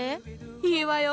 いいわよ